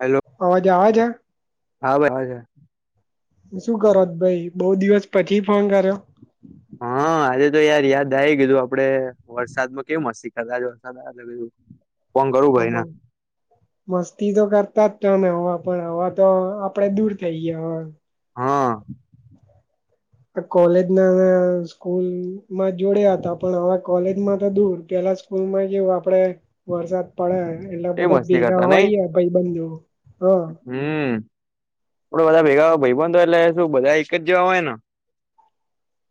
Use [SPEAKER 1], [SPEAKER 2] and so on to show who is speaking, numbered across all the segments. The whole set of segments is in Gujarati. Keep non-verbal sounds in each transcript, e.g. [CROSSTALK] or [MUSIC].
[SPEAKER 1] હેલો
[SPEAKER 2] અવાજે આજ
[SPEAKER 1] હવે હ
[SPEAKER 2] શું કરોત ભાઈ બહુ દિવસ પછી ફોન કર્યો.
[SPEAKER 1] હા આજે તો યાર યાદ આવી ગયધું આપડે વરસાદ માં કેવું મસ્ કદાચ વરસાદ આવેું.
[SPEAKER 2] હ મસ્તી તો કરતા જ ટન હવા પણ હવા તો આપડે દૂર થઈ ગયા હ
[SPEAKER 1] હા
[SPEAKER 2] કોલેજ ના સ્કૂલમાં જોડયા હતા પણ હવે કોલેજમાં તો દૂર પેલા ફૂલ માં જેવું આપડે વરસાદ પડે એટલા
[SPEAKER 1] એ
[SPEAKER 2] બધા
[SPEAKER 1] મસ્તી
[SPEAKER 2] ભેગા
[SPEAKER 1] કરતા નઈ
[SPEAKER 2] હોય ભાઈ બંધુ હ
[SPEAKER 1] હમ આપડ બધા ભેગા ભાઈબન તો એટલે શું બધા એક જ જેવા હોય ને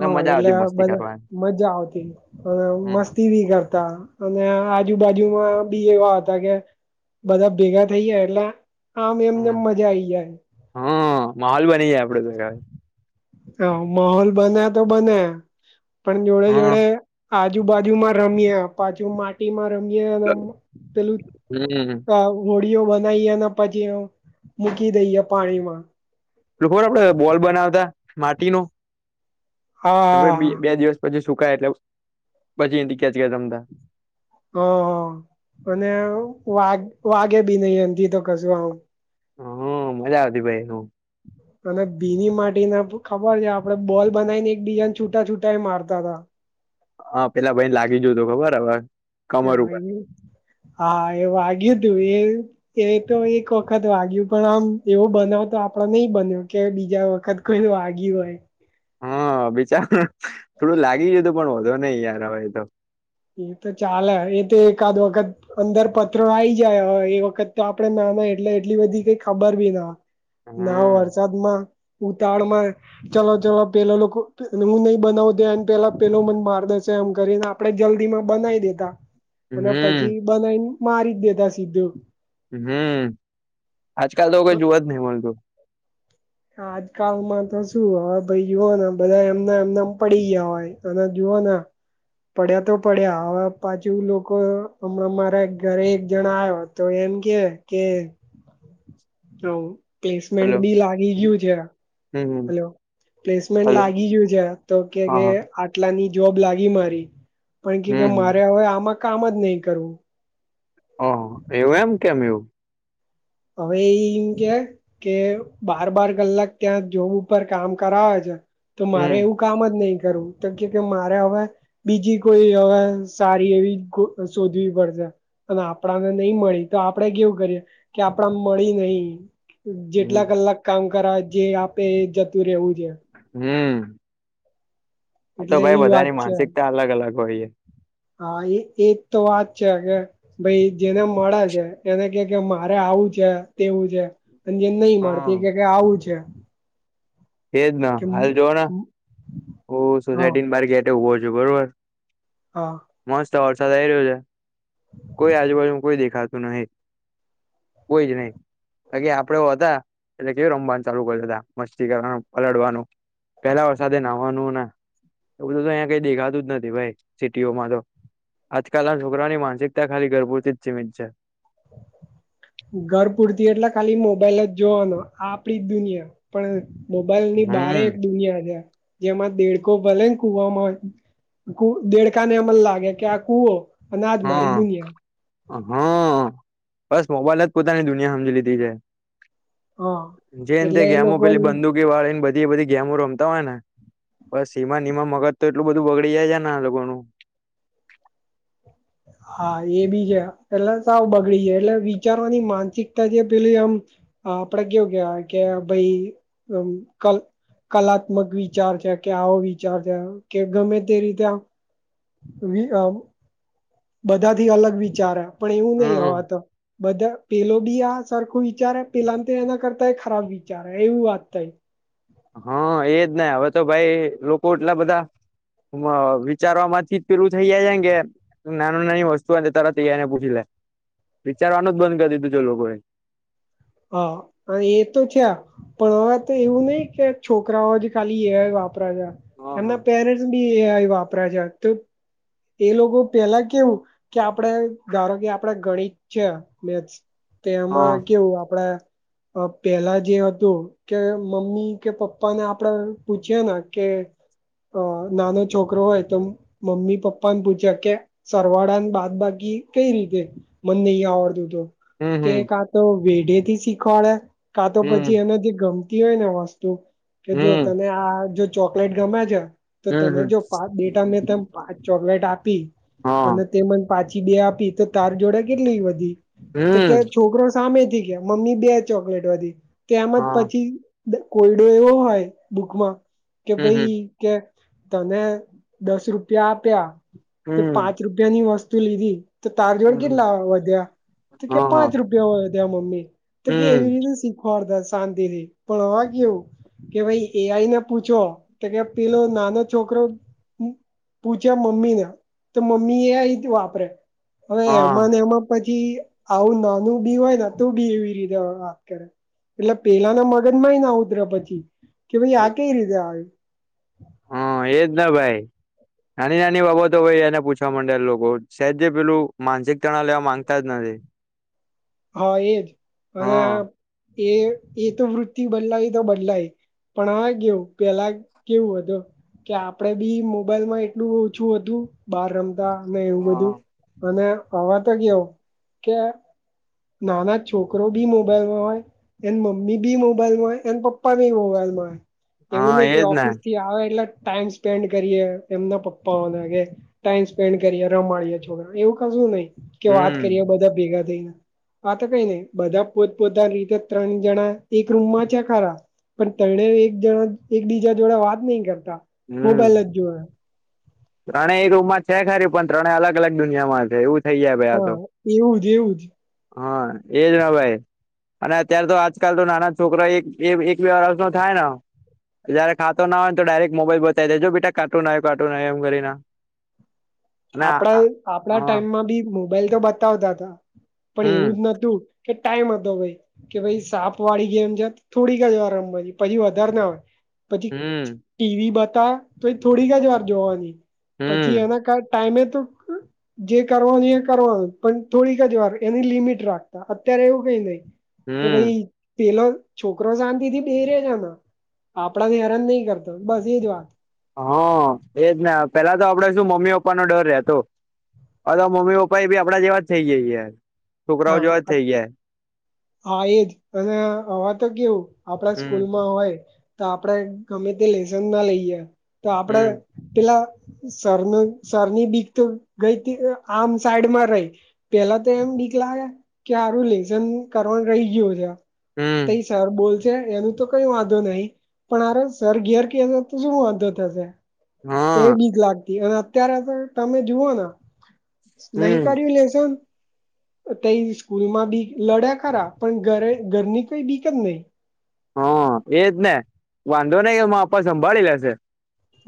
[SPEAKER 2] હા
[SPEAKER 1] મજા
[SPEAKER 2] એટલે
[SPEAKER 1] આવતી મસ્તી
[SPEAKER 2] બધા
[SPEAKER 1] કરવાની
[SPEAKER 2] મજા આવતી હ મસ્ત ટીવી કરતા અને આજુબાજુમાં બી એવા હતા કે બધા ભેગા થઇ જાય એટલે આમ એમને
[SPEAKER 1] હમ
[SPEAKER 2] એમ મજા આઈ જાય
[SPEAKER 1] હા માહોલ બની જાય આપડે તો
[SPEAKER 2] હ માહોલ બને તો બને પણ જોડે
[SPEAKER 1] હમ
[SPEAKER 2] જોડે આજુ બાાજુ માં રમીએ પાછુ ટીમાં રમ્યામ તેલુ
[SPEAKER 1] હમ
[SPEAKER 2] ક હોળીઓ બનાવીએ અને પછી મૂકી દઈએ પાણીમાં
[SPEAKER 1] ખોર આપડે બોલ બનાવતા માટી ન
[SPEAKER 2] હા હા
[SPEAKER 1] બે દિવસ પછી સુકાય એટલે પછી ક્યાંચ તમતા
[SPEAKER 2] હ હા અને વાગ વાગે બી નહ એમથી તો કશું આમ
[SPEAKER 1] હ મજા આવતી ભાઈ હું
[SPEAKER 2] અને બીની માટીને ખબર છે આપડે બોલ બનાવીને એક બીજાને છૂટા છૂટા એ મારતા હતા
[SPEAKER 1] હા પેલા ભાઈને લાગી જોય હતું ખબર હ
[SPEAKER 2] હા એવું વાગય તું એ એ તો એક વખત વાગ્યું પણ આમ એવો બનાવ તો આપડ નહી બન્યો કે બીજા વખત કઈ વાગી હોય
[SPEAKER 1] બચાર થોડું લાગી ગય હતું પણ વધો નહીિ યાર હવે એ તો
[SPEAKER 2] એ તો ચાલ એ તો એકાદ વખત અંદર પત્ર આવી જાય એ વખત તો આપડે ના ના એટલે એટલી બધી કઈ ખબર બી ના નાવ
[SPEAKER 1] હમ
[SPEAKER 2] વરસાદ માં ઉતાળમાં ચાલલો ચલો પેલો લોકો હું નઈ બનાવ દેને પેલા પેલો મને બાર દશે એમ કરીને આપડે જલ્દી માં બનાવી દેતા અને પછી
[SPEAKER 1] હમ
[SPEAKER 2] બનાવીને મારી જ દેતા સીધું
[SPEAKER 1] હમ આજકાલ તો કઈ જોવા જ નહીિ મળતું
[SPEAKER 2] ા આજકાલમાં તો શું હવે ભાઈ જોુઓ ને બધા એમના એમનામ પડી ગયા હોય તના જીઓોના પડ્યા તો પડ્યા હવે પાછું લોકો હમણા મારા ઘરે એક જણા આવ્યા તો એમ કે કે
[SPEAKER 1] [INAUDIBLE]
[SPEAKER 2] હ
[SPEAKER 1] હલો
[SPEAKER 2] પ્લેસમેન્ટ બી લાગી
[SPEAKER 1] હમ
[SPEAKER 2] ગયું છે
[SPEAKER 1] હમ
[SPEAKER 2] હલો પ્લેસમેન્ટ
[SPEAKER 1] હલો
[SPEAKER 2] લાગી ગયું છે તો કે
[SPEAKER 1] હા
[SPEAKER 2] કે
[SPEAKER 1] હા
[SPEAKER 2] એટલાની જોબ લાગી મારી પણ કે કે
[SPEAKER 1] હમ
[SPEAKER 2] મારે હવે આમાં કામ જ નહી કરવું
[SPEAKER 1] હ એવું એમ કેમ એવું
[SPEAKER 2] હવેમ કે કે બાર બાર કલાક ત્યાં જોબ ઉપર કામ કરાવે છે તો મારે
[SPEAKER 1] હમ
[SPEAKER 2] એવું કામ જ નહીં કરવું તો કે કે મારે હવે બીજી કોઈ હવે સારી એવી શોધવી પડશે અને આપણાને નહી મળી તો આપડે કેવું કરીએ કે આપડા મળી નહીિ જેટલા
[SPEAKER 1] હમ
[SPEAKER 2] કલાક કામ કરા જે આપે એ જતું રહેવું છે
[SPEAKER 1] હમ હા તો
[SPEAKER 2] એટલે
[SPEAKER 1] ભાઈ
[SPEAKER 2] એવી વાત
[SPEAKER 1] બધાની
[SPEAKER 2] છે
[SPEAKER 1] માનસિકતા અલગ અલગ હોય છે
[SPEAKER 2] હા એ એજ તો વાત છે હગે ભાઈ જેને મળે છે એને કે કે મારે આવું છે તેવું છે ત જેન નહી માતી કે આવું છે
[SPEAKER 1] એજ ના
[SPEAKER 2] કે
[SPEAKER 1] હાલ જોવ હું
[SPEAKER 2] હ
[SPEAKER 1] સોસાયટીની બાર ગેટે ઉભો છું બરોબર
[SPEAKER 2] હા
[SPEAKER 1] મસ્ત વરસાદ આઈ રહ્યો છે. કોઈ આજુબાજુ કોઈ દેખાતું નહી કોઈ જ, નહી. કે આપડે હતા, એટલે કેવું રમવાનું ચાલુ કરતા મસ્તી કરવાનું પલડવાનું પેલા વરસાદે નાહવાનુ એવું તો તો અહીંયા કઈ દેખાતું જ નથી ભાઈ સિટીઓમાં તો આજકાલ ના છોકરાઓની, માનસિકતા ખાલી ઘરબુરતી જ સીમિત છે. [INAUDIBLE]
[SPEAKER 2] ઘર પૂરતી એટલે ખાલી મોબાઈલ જ જોવાનો આ આપડી દુનિયા પણ મોબાઈલ ની બારે
[SPEAKER 1] હમ
[SPEAKER 2] એક દુનિયા છે. જેમાં દેડકો ભલેને કુવામાં દેડકાને અમને લાગે કે આ કુવો અનાજ મારી
[SPEAKER 1] હા
[SPEAKER 2] દુનિયા
[SPEAKER 1] હા બસ મોબાઈલ જ પોતાની દુનિયા સમજી લીધી છે.
[SPEAKER 2] હા
[SPEAKER 1] જેને તે
[SPEAKER 2] એટલે એ
[SPEAKER 1] ગેમો
[SPEAKER 2] લોકો
[SPEAKER 1] પેલી બંદૂકી વાળીને બધી બધી ગેમો રમતા હોય, ને બસ સીમા નિનીમા મગજ તો એટલું બધું બગડી જાય છેને, આ લોકો નનુ
[SPEAKER 2] હા, એ બી છે. એટલે સાવ બગડી જાય, એટલે વિચારવાની માનસિકતા જે પેલી આમ આપડે કેવું કયા કે ભાઈ કલ કલાત્મક વિચાર છે કે આવો વિચાર છે. કે ગમે તે રીતે વ આ બધા થી અલગ વિચારે પણ એવું નહી,
[SPEAKER 1] હમ
[SPEAKER 2] હોવા તો બધા પેલો બી આ સરખો વિચાર પેલાને તો એના કરતા એ ખરાબ વિચાર એવું વાત થાય
[SPEAKER 1] હા એજ નાહી, હવે તો ભાઈ લોકો એટલા બધા વિચારવા માંથી પેલું થઇ જાય કેે નાનું નાની વસ્તુ તરત ને પૂછી, લે વિચારવાનું જ બંધ કરી દીધું ચ લોકોને
[SPEAKER 2] હા, અને એ તો થયા પણ હવે તો એવું નહી, કે છોકરાઓ જે ખાલી એ વાપરા છે,
[SPEAKER 1] હા હા
[SPEAKER 2] એમના પેરેન્ટસ બી એ વાપરા છે, તો એ લોકો પેલા કેવું કે આપડે ધારો કે આપડ ગણિત છે. મેથ તો
[SPEAKER 1] હા
[SPEAKER 2] એમાં કેવુ આપણા પેલા જે હતુ કે મમ્મી કે પપ્પા ને આપડે પૂછીય ને કે અ નાનો છોકરો હોય, તો મમ્મી પપ્પાને પૂછ્યા કે સરવાળાને બાદ બાકી કઈ રીતે મનેને નહી આવડતું હત
[SPEAKER 1] હમ
[SPEAKER 2] તે
[SPEAKER 1] હમ
[SPEAKER 2] કા તો વેઢે થી શીખવાડે કા તો પછી,
[SPEAKER 1] હમ
[SPEAKER 2] એને જે ગમ હોય ને વસ્તુ કે જો
[SPEAKER 1] હમ
[SPEAKER 2] તને આ જો ચોકલેટ ગમે છે. તો
[SPEAKER 1] હમ
[SPEAKER 2] તને
[SPEAKER 1] હમ
[SPEAKER 2] જો પા બેટા મેં ત પાચ ચોકલેટ આપી
[SPEAKER 1] હા
[SPEAKER 2] અને તે મને પાછી બે આપી તો તાર જોડાે કેટલી, વધી તો કે
[SPEAKER 1] હમ
[SPEAKER 2] છોકરો સામેથી મમ્મી બે ચોકલેટ વધી તેમમજ
[SPEAKER 1] હા
[SPEAKER 2] પછી કોયડો એવો હોય, બુકમાં કે
[SPEAKER 1] હમ
[SPEAKER 2] ભાઈ
[SPEAKER 1] હમ
[SPEAKER 2] કે તને દસ રૂપિયા આપ્યા કે પાંચ
[SPEAKER 1] હમ
[SPEAKER 2] રૂપ રૂપિયા ની વસ્તુ લીધી તો તાર જોડ
[SPEAKER 1] હમ
[SPEAKER 2] કેટલા વધ્યા તો કે
[SPEAKER 1] હા હા
[SPEAKER 2] પાંચ રૂપિયા વધ્યા મમ્મી તો કે એવી
[SPEAKER 1] હમ
[SPEAKER 2] રીતે શીખવાડતા શાંતિથી પણવા કેવુ કે ભાઈ એ આઈ ને પૂછો તો કે પેલો નાનો છોકરો પૂછા મ્મી ના તો મ્મી એ વાપરે્યા હવે એમાં
[SPEAKER 1] હા
[SPEAKER 2] ને એમાં પછી આવું નાનું બી હોય, ને તુ બી એવી રીતે વાત કરે એટલે પેલાના મગજમાંય ના ઉતરે પછી. કે ભાઈ આ કઈ રીતે આવે
[SPEAKER 1] હ, એ જ ના ભાઈ નાની નાની બાબતો ભાઈ એને પૂછવા માંડે લોકો શહેદ જે પેલું માનસિક તણાવ લેવા માંગતા જ નથી.
[SPEAKER 2] હા એજ અને
[SPEAKER 1] હા
[SPEAKER 2] એ એ તો વૃત્તિ બદલાય તો બદલાય પણ આ કેવું પેલા કેવું હતું. કે આપડે બી મોબાઈલ માં એટલું ઓછું હતું બહાર રમતા એવું બધું. અને હવા તો ગયો કે. નાના છોકરો બી મોબાઈલમાં હોય. એન મમ્મી બી મોબાઈલ માંય એન પપ્પા ભી મોબાઈલમાંય. એવું
[SPEAKER 1] હા
[SPEAKER 2] નહિ કે
[SPEAKER 1] એજ ને
[SPEAKER 2] ઓફિસ થી આવે એટલે ટાઈમ. સ્પેન્ડ કરીએ એમના પપ્પાઓને કે ટાઈમ સ્પેન્ડ કરીે રમાડીએ છોકરા એવું ક શું નહી. કે વાત કરીએ
[SPEAKER 1] હમ
[SPEAKER 2] બધા ભેગા થઈને. આ તો કઈ નહી બધા પોતપોતાની રીતે ત્રણ જણા એક રૂમમાં છે ખરા. પણ તણે એક જણા એક બીજા જોડે વાત નહી કરતા
[SPEAKER 1] હમ
[SPEAKER 2] મોબાઈલ જ જોડે.
[SPEAKER 1] ત્રણેય એ રૂમમાં છે ખરી પણ ત્રણે અલગ અલગ દુનિયામાં છે એવું. થઈ જાય ભાઈ આ તો
[SPEAKER 2] હા એવું જ એવું જ.
[SPEAKER 1] હા એજ હ ભાઈ અને અત્યારે તો આજકાલ તો નાના છોકરા એક બે વરષ ન થાય. જયારે ખાતો ના હોય તો. મોબાઈલ બતાવી દેજો બેટા કારટુન કારટુન આવ્યો એમ કરીને. અને
[SPEAKER 2] આપણા આપણા
[SPEAKER 1] હા
[SPEAKER 2] ટાઈમમાં બી મોબાઈલ તો બતાવતા હતા પણ એવું
[SPEAKER 1] હમ
[SPEAKER 2] જ નતું. કે ટાઈમ હતો ભાઈ. કે ભાઈ સાપ વાળી ગેમ છે થોડીક જ વાર રમવા ની પછી વધારે ના હોય. પછી છી
[SPEAKER 1] હમ
[SPEAKER 2] ટીવી બતા તો એ થોડીક જ વાર જોવાની પછી
[SPEAKER 1] હમ
[SPEAKER 2] એના કાર. ટાઈમ એ તો. જે કરવાનું એ કરવાનું પણ થોડીક જ વાર એની લિમિટ રાખતા અત્યારે એવું કઈ નહી. કે
[SPEAKER 1] હમ
[SPEAKER 2] ભાઈ પેલો છોકરો શાંતિ થી બેરે નામા આપડાને હેરાન નહી કરતો બસ એજ વાત.
[SPEAKER 1] હા એજ પેલા તો આપડે શું મમ્મી પપ્પા નો ડર રહેતો. હ તો મમ્મી પપ્પા એ ભી આપડા જેવા જ થઇ જઈ છોકરાઓ
[SPEAKER 2] હા
[SPEAKER 1] જેવા જ થઈ જાય.
[SPEAKER 2] હા એજ અને હવે તો કેવું આપણા
[SPEAKER 1] હમ
[SPEAKER 2] સ્કૂલમાં. હોય તો આપણે ગમે તે લસન ના લઈએ તો આપણે
[SPEAKER 1] હમ
[SPEAKER 2] પેલા સર ન સરની બીક તો ગઈ આમ સાઈડમાં રહી પેલા તો એમ કલા કે આારું લેસન કરવાનું રહી ગયું છે.
[SPEAKER 1] હમ
[SPEAKER 2] તઈ સર બોલશે એનું તો કઈ વાંધો નહી પણ અરે સર ઘેર ક છે તો શું વાંધો થશે. એ
[SPEAKER 1] હા
[SPEAKER 2] બીક લાગતી અને અત્યારે તો તમે જુઓને
[SPEAKER 1] હમ
[SPEAKER 2] નહી કર્યું લેસન. ત સ્કૂલ માં બી લડ્યા ખરા પણ ઘરે ઘરની કોઈ બીક જ નહી.
[SPEAKER 1] હ એજ ને વાંધો નઈમાંપા સંભાળી લેશે.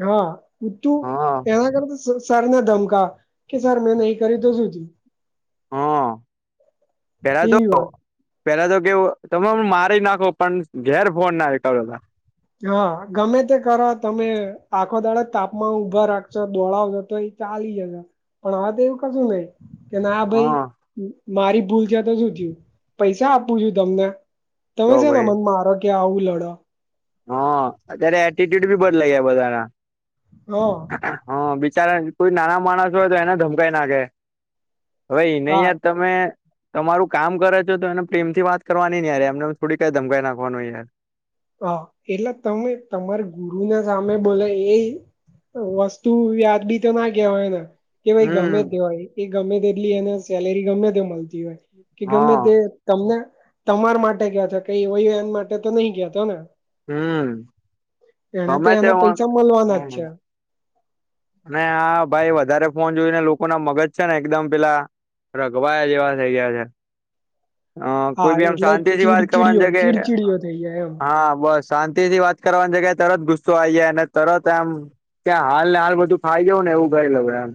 [SPEAKER 2] હા પ તું
[SPEAKER 1] હા
[SPEAKER 2] એના કરતા. સરને ધમકા કે સર મેં નહી કરી તો શું થયું.
[SPEAKER 1] હ પેડા તો
[SPEAKER 2] એવી
[SPEAKER 1] અ.
[SPEAKER 2] વાત
[SPEAKER 1] પેલા તો કેવું તમે મારી નાખો પણ ઘેર ફોન ના કરો.
[SPEAKER 2] જો હા ગમે તે કરો તમે આખો દાડે તાપમાન ઉભા રાખશો દોળાવ જતોય. ચાલી જ હજ પણ હવે તો એવું કશું નહી કે ના ભાઈ.
[SPEAKER 1] હા
[SPEAKER 2] મારી ભૂલ છે તો શું થયું પૈસા આપું છું તમને તમે
[SPEAKER 1] તો
[SPEAKER 2] છે ને
[SPEAKER 1] ભાઈ
[SPEAKER 2] મને મારો. કે આવું લડો
[SPEAKER 1] હા અત્યારે એટટ્યુડ બી બદલાયા બધાના.
[SPEAKER 2] હ
[SPEAKER 1] હા બિચારા કોઈ નાના માણસ હોય તો એને ધમકઈ નાખે હવે એ ન
[SPEAKER 2] હા
[SPEAKER 1] યાદ તમ. તમે તમારું કામ કરે છો તો એને પ્રેમથી વાત કરવાની ને યાર એમને થોડી કઈ ધમકઈ નાખવાનું યાર
[SPEAKER 2] તો એટલે તમે તમારા ગુરુને સામે બોલે એ. વસ્તુ વ્યાજબી તો ના કહેવાય ને. કે ભાઈ ગમે
[SPEAKER 1] હમ
[SPEAKER 2] તે હોય એ ગમે તે એટલી એને સેલેરી ગમે તે મળતી હોય કે ગમે
[SPEAKER 1] હા
[SPEAKER 2] તે. તમને તમાર માટે કેછે કઈ વય એન માટે તો નહી ક્યાતો ને
[SPEAKER 1] હમ
[SPEAKER 2] એને તો
[SPEAKER 1] ગમે તે
[SPEAKER 2] એના પૈસા મળવાના જ
[SPEAKER 1] હમ
[SPEAKER 2] છે.
[SPEAKER 1] અને આ ભાઈ વધારે ફોન જોઈને લોકો ના મગજ છે ને એકદમ પેલા રઘવાયા જેવા થઇ ગયા છે. હ
[SPEAKER 2] હા
[SPEAKER 1] કોઈ બી આમ
[SPEAKER 2] એટલે
[SPEAKER 1] શાંતિ થી વાત
[SPEAKER 2] ચીડચીડીઓ
[SPEAKER 1] કરવાની છે કે
[SPEAKER 2] ચીડચીડીઓ થઈ જાય એમ
[SPEAKER 1] હા બસ શાંતિ થી વાત કરવાની જગ્યાએ તરત ગુસ્સો આ જાય અને તરત એમ ત્યા હાલ ને હાલ થાઈજઉ નેવું ગઈે લવએમ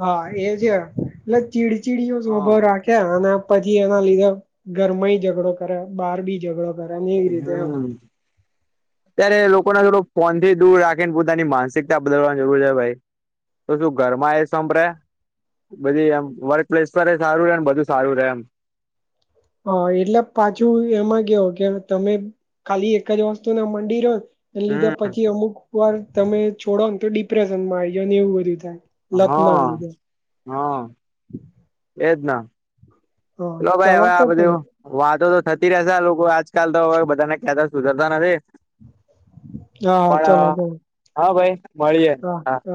[SPEAKER 2] હા એ છે એટલે ચીડચીડીયો સ્વભાવ રાખે અને પછી એના લીધે ઘર માં ઝઘડો કરે બહાર બી ઝઘડો કરે ને એવી રીતે એમ
[SPEAKER 1] હમ. ત્યારે લોકોને થોડ ફોનથી દૂર રાખીને પોતાની માનસિકતા બદલવાની જરૂર છે ભાઈ તો શું ઘર માં એ સંભળે બધી એમ વર્ક પ્લેસ પર સારું રે ને બધું સારું રે એમ.
[SPEAKER 2] હ એટલે પાછું એમાં કેવો કે તમે ખાલી એક જ વસ્તુ ના મંડી રહો એ લીધા
[SPEAKER 1] હમ
[SPEAKER 2] પછી અમુક વાર તમે છોડો ને તો ડિપ્રેશન માં આવી જ ને એવું બધું થાય. લત ના
[SPEAKER 1] હા
[SPEAKER 2] લીધે
[SPEAKER 1] હા એજ ન
[SPEAKER 2] હા
[SPEAKER 1] લો ભાઈ
[SPEAKER 2] ચાલો
[SPEAKER 1] હવે
[SPEAKER 2] તો
[SPEAKER 1] આ
[SPEAKER 2] પહી
[SPEAKER 1] બધું વાતો તો થતી રશે લોકો આજકાલ તો હવે બધાને કતા સુધરતા નથી.
[SPEAKER 2] હા
[SPEAKER 1] પણ હા ભાઈ મળીયે.
[SPEAKER 2] હ હ.